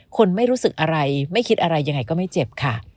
คนไม่รู้สึกอะไรไม่คิดอะไรยังไงก็ไม่เจ็บค่ะ